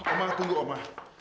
oma tunggu oma